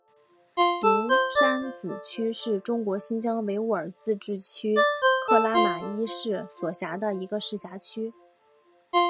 独山子区是中国新疆维吾尔自治区克拉玛依市所辖的一个市辖区。